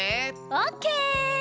オッケー！